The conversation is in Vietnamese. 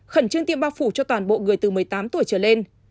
khẩn trương tiêm bao phủ cho toàn bộ người từ một mươi tám tuổi trở lên